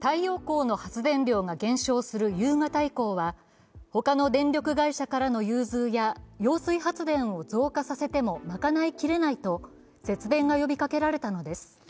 太陽光の発電量が減少する夕方以降は他の電力会社からの融通や揚水発電を増加させても賄いきれないと節電が呼びかけられたのです。